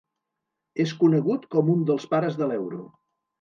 És conegut com un dels pares de l'euro.